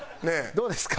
どうですか？